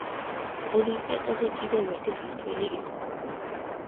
ოლიმპიადაზე კიდევ ერთი ქართველი იყო.